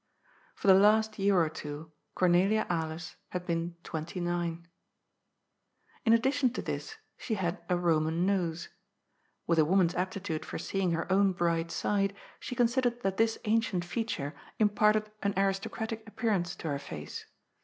For the last year or two Cornelia Alers had been twenty nine. In addition to this she had a Boman nose. With a woman's aptitude for seeing her own bright side, she con sidered that this ancient feature imparted an aristocratic appearance to her face.